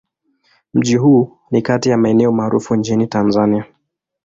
Mji huu ni kati ya maeneo maarufu nchini Tanzania.